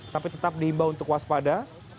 tapi tetap dihimbau untuk waspada